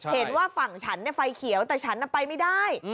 เห็นว่าฝั่งฉันไฟเขียวแต่ฉันไปไม่ได้